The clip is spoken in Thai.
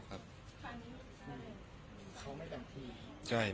ความรู้สึกมันตื้นตันว่ายังมีคนรักเราอยู่